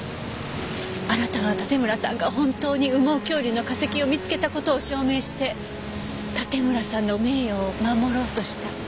あなたは盾村さんが本当に羽毛恐竜の化石を見つけた事を証明して盾村さんの名誉を守ろうとした。